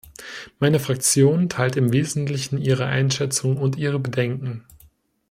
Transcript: Meine Fraktion teilt im Wesentlichen ihre Einschätzung und ihre Bedenken.